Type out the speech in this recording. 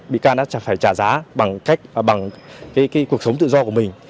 bị can đã phải trả giá bằng cuộc sống tự do của mình